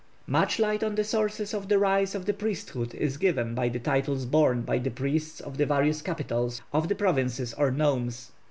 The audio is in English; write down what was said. Much light on the sources of the rise of the priesthood is given by the titles borne by the priests of the various capitals of the provinces or nomes.